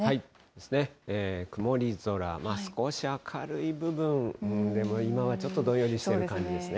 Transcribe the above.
ですね、曇り空、少し明るい部分、でも今はちょっとどんよりしてる感じですね。